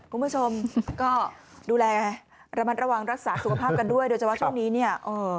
คุณผู้ชมก็ดูแลระมัดระวังรักษาสุขภาพกันด้วยโดยเฉพาะช่วงนี้เนี่ย